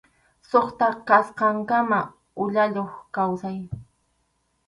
Suqta kasqankama uyayuq kawsay.